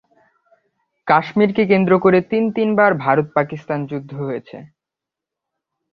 কাশ্মীর কে কেন্দ্র করে তিন তিন বার ভারত-পাকিস্তান যুদ্ধ হয়েছে।